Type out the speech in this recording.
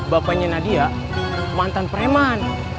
bapanya nadia mantan preman